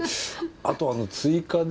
あとあの追加で。